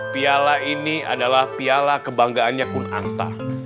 piala ini adalah piala kebanggaannya pun anta